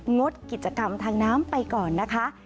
งดกิจกรรมทางน้ำไปก่อนนะคะ